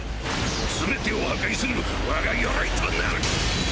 すべてを破壊する我がよろいとなる！